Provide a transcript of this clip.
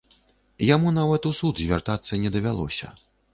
Яму нават у суд звяртацца не давялося.